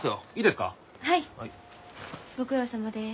ご苦労さまです。